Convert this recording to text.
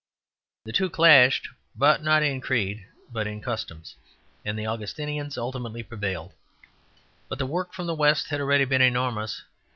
The two clashed, not in creed but in customs; and the Augustinians ultimately prevailed. But the work from the west had already been enormous.